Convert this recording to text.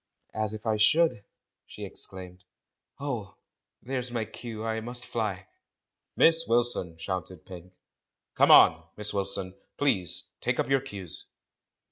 "As if I should!" she exclaimed. "Oh! there's my cue, I must fly!" "Miss Wilson!" shouted Pink. "Come on. Miss Wilson, please — take up your cues!"